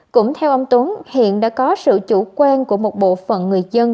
cũng theo ông tuấn hiện đã có sự chủ quan của một bộ phận người dân